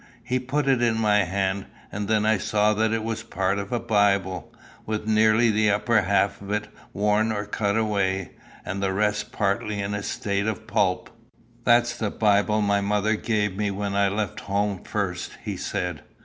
He put it in my hand, and then I saw that it was part of a bible, with nearly the upper half of it worn or cut away, and the rest partly in a state of pulp. "That's the bible my mother gave me when I left home first," he said.